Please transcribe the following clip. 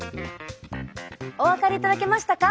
お分かりいただけましたか？